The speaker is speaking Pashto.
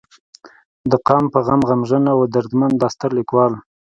د قام پۀ غم غمژن او درمند دا ستر ليکوال